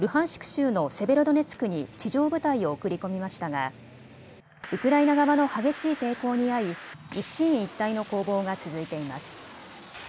州のセベロドネツクに地上部隊を送り込みましたがウクライナ側の激しい抵抗に遭い一進一退の攻防が続いています。